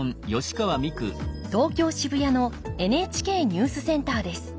東京・渋谷のＮＨＫニュースセンターです。